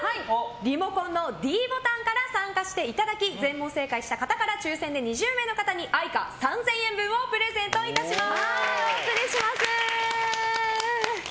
リモコンのｄボタンから参加していただき全問正解した方から抽選で２０名の方にＡｉｃａ３０００円分をプレゼントいたします。